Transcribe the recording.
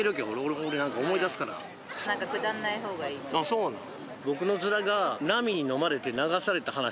そうなん？